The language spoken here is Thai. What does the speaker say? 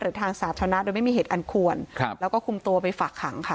ทางสาธารณะโดยไม่มีเหตุอันควรครับแล้วก็คุมตัวไปฝากขังค่ะ